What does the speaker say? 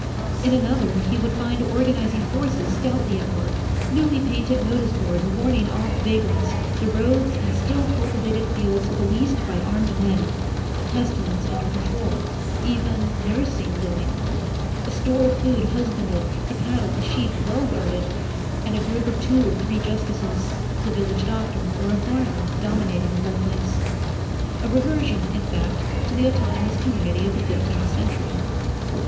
In another he would find organising forces stoutly at work, newly painted notice boards warning off vagrants, the roads and still cultivated fields policed by armed men, the pestilence under control, even nursing going on, a store of food husbanded, the cattle and sheep well guarded, and a group of two or three justices, the village doctor or a farmer, dominating the whole place; a reversion, in fact, to the autonomous community of the fifteenth century.